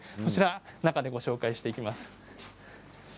中でご紹介していきます。